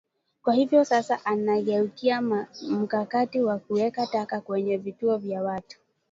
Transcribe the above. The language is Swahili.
Kwa hivyo sasa anageukia mkakati wa kuweka taka kwenye vituo vya watu